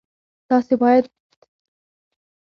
تاسي باید د هر ورزش لپاره مناسب کالي واغوندئ.